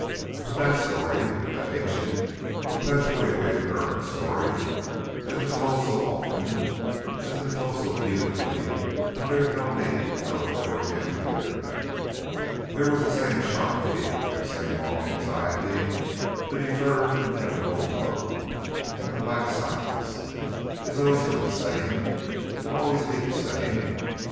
But that story, that ancient, perpetually recurring story, has been told so often, has been told so beautifully, that there is no need to tell it over again here. There was the same sharp fear, the same long anxiety, the deferred inevitable blow, and the black silence. It has always been the same; it will always be the same.